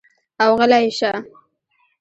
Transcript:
او غلے شۀ ـ